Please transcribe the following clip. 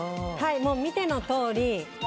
見てのとおり。